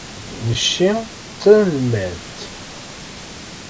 Necci d tanelmadt.